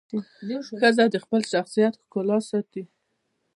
ښځه د خپل شخصیت ښکلا ساتي.